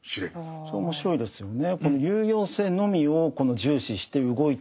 それ面白いですよね。